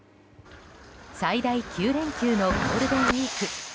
最大９連休のゴールデンウィーク。